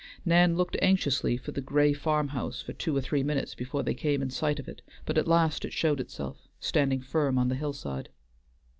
Nan looked anxiously for the gray farmhouse for two or three minutes before they came in sight of it, but at last it showed itself, standing firm on the hillside.